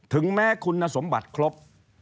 ถึงแม้คุณสมบัติครบ